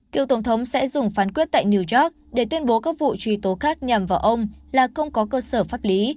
cựu tổng thống sẽ dùng phán quyết tại new york để tuyên bố các vụ truy tố khác nhằm vào ông là không có cơ sở pháp lý